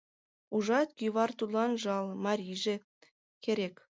Ужат, кӱвар тудлан жал, марийже керек.